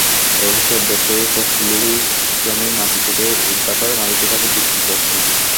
এসব ব্যবসায়ী ফসলি জমির মাটি কেটে ইটভাটার মালিকদের কাছে বিক্রি করছেন।